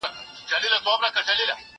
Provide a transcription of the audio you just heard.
زه به سبا د ښوونځی لپاره امادګي ونيسم!؟